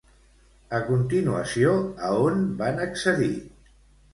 A continuació, a on va accedir?